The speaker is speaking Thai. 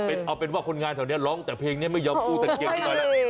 เอาเป็นว่าคนงานแถวนี้ร้องแต่เพลงนี้ไม่ยอมกู้ตะเคียนขึ้นมาแล้ว